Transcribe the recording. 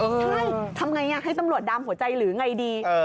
ใช่ทำไงให้ตำรวจดามหัวใจหรือไงดี